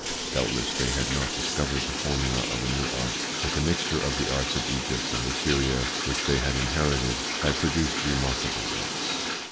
Doubtless they had not discovered the formula of a new art, but the mixture of the arts of Egypt and Assyria which they had inherited had produced remarkable works.